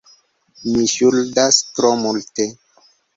Mi ŝuldas tro multe,...